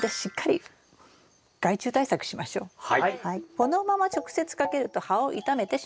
このまま直接かけると葉を傷めてしまうかもしれません。